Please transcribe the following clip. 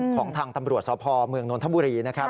ของทางตำรวจสพเมืองนนทบุรีนะครับ